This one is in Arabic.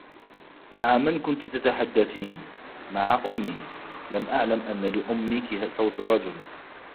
مع من كنتِ تتحدّثين؟ "مع أمّي." "لم أعلم أنّ لأمّكِ صوت رجل."